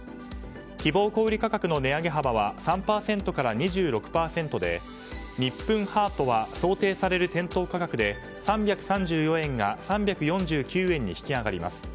希望小売価格の値上げ幅は３％から２６％でニップンハートは想定される店頭価格で３３４円が３４９円に引き上がります。